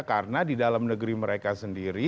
karena di dalam negeri mereka sendiri